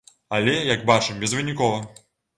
Але, як бачым, безвынікова.